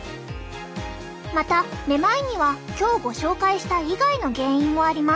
まためまいには今日ご紹介した以外の原因もあります。